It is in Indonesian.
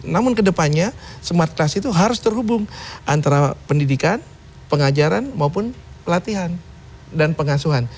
namun kedepannya smart class itu harus terhubung antara pendidikan pengajaran maupun pelatihan dan pengasuhan